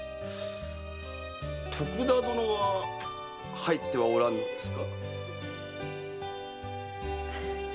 徳田殿は入ってはおらぬのですか？